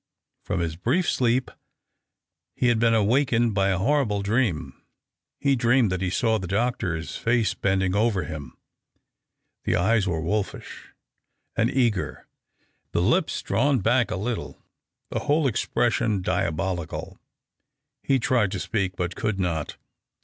From his brief sleep he had been awakened by a horrible dream. He dreamed that he saw the doctor's face bending over him ; the eyes were wolfish and eager, the lips drawn back a little, the whole expression diabolical. He tried to speak, but could not.